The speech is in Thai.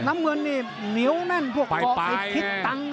ล้ำเงินนี่เหนียวแน่นพวกเกาะไอ้พิษตั้ง